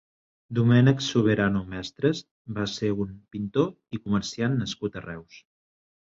Domènec Soberano Mestres va ser un pintor i comerciant nascut a Reus.